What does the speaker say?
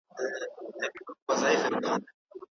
ته مجرم یې ګناکاره یې هر چاته